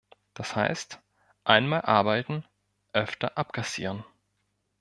Das heißt: Einmal arbeiten, öfter abkassieren.